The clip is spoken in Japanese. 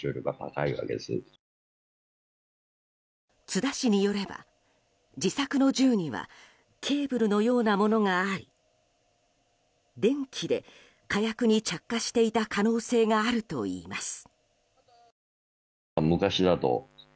津田氏によれば、自作の銃にはケーブルのようなものがあり電気で火薬に着火していた可能性があるといいます。